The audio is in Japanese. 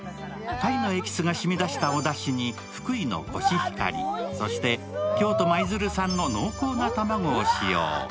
鯛のエキスがしみ出したおだしに福井のコシヒカリ、そして京都・舞鶴産の濃厚な卵を使用。